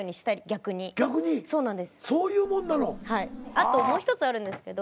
あともう一つあるんですけど。